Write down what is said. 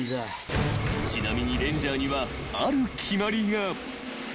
［ちなみにレンジャーにはある決まりが］